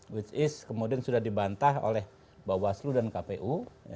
which is kemudian sudah dibantah oleh bawaslu dan kpu